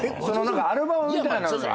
アルバムみたいなのに。